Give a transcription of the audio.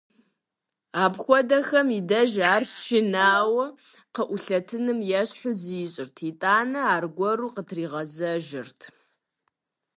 Апхуэдэхэм и деж ар шынауэ къыӀулъэтыным ещхьу зищӀырт, итӀанэ аргуэру къытригъэзэжырт.